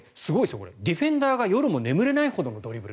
これディフェンダーが夜も眠れないほどのドリブル